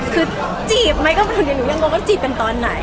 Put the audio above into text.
คือจีบไหมก็ไม่รู้ยังว่าก็จีบกันตอนไหน